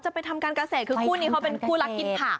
ไปทำการเกษตรคือคู่นี้เขาเป็นคู่รักกินผัก